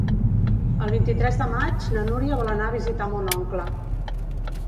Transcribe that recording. El vint-i-tres de maig na Núria vol anar a visitar mon oncle.